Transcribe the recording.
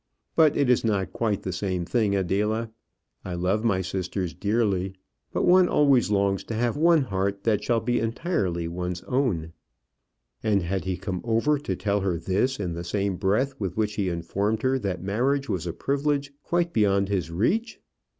"But it is not quite the same thing, Adela. I love my sisters dearly; but one always longs to have one heart that shall be entirely one's own." And had he come over to tell her this in the same breath with which he informed her that marriage was a privilege quite beyond his reach?